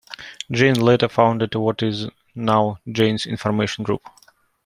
Jane later founded what is now Jane's Information Group.